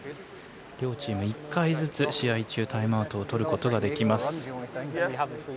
両チーム１回ずつ試合中タイムアウトをとることができます。